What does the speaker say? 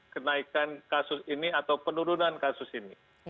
kenaikan kasus ini atau penurunan kasus ini